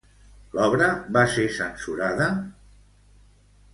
L'obra va ser censurada?